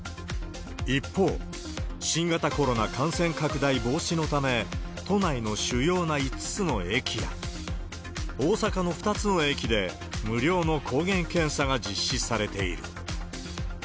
一方、新型コロナ感染拡大防止のため、都内の主要な５つの駅や、大阪の２つの駅で、無料の抗原検査が実施されている。